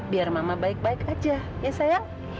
biar mama baik baik aja ya saya